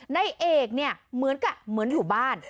ในเอกเนี่ยเหมือนกับเหมือนอยู่บ้าน